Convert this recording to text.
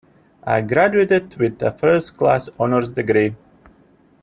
I graduated with a first class honours degree.